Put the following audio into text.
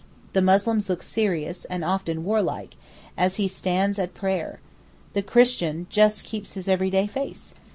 The Muslim looks serious, and often warlike, as he stands at prayer. The Christian just keeps his everyday face.